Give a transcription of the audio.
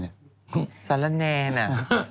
บ๊วยใส่ระแน่น่ะ